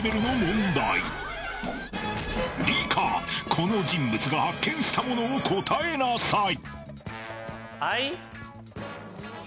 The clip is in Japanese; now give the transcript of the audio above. ［この人物が発見したものを答えなさい］